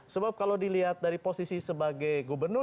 sebab kalau dilihat dari posisi sebagai gubernur